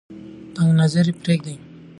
تنگ نظري پریږدئ.